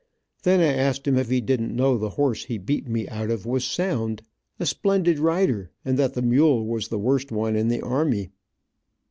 Then I asked him if he didn't know the horse he beat me out of was sound, a splendid rider, and that the mule was the worst one in the army.